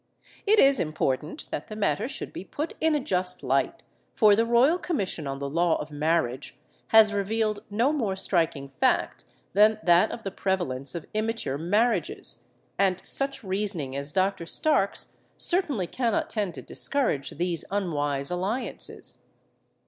It is important that the matter should be put in a just light, for the Royal Commission on the Law of Marriage has revealed no more striking fact than that of the prevalence of immature marriages, and such reasoning as Dr. Stark's certainly cannot tend to discourage these unwise alliances.